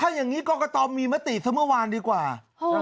ถ้าอย่างงี้กรกฏอมีมติเท่าเมื่อวานดีกว่าเห้อ